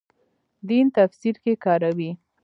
دین تفسیر کې کاروي.